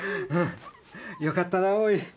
よかったなおい。